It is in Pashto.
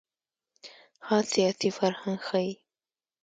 خاص سیاسي فرهنګ ښيي.